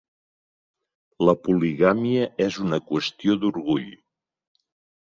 La poligàmia és una qüestió d'orgull.